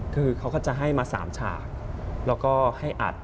คือเขาก็จะให้มา๓ฉากแล้วก็ให้อัด